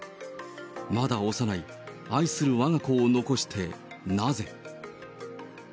まだ幼い愛するわが子を残してなぜ。